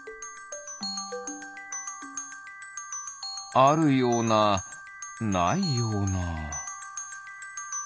あるようなないような。